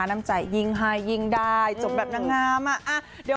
น้ำใจยิงให้ยิงได้จบแบบน้ำน้ำอะ